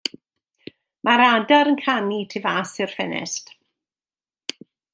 Mae'r adar yn canu tu fas i'r ffenest.